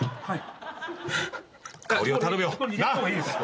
はい。